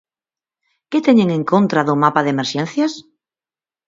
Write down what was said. ¿Que teñen en contra do mapa de emerxencias?